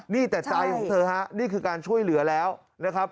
นี่แต่ใจของเธอฮะนี่คือการช่วยเหลือแล้วนะครับ